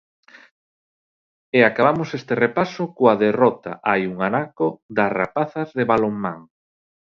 E acabamos este repaso coa derrota hai un anaco das rapazas de balonmán.